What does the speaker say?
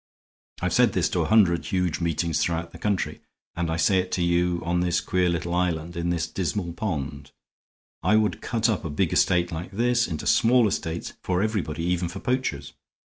I've said this to a hundred huge meetings throughout the country, and I say it to you on this queer little island in this dismal pond. I would cut up a big estate like this into small estates for everybody, even for poachers.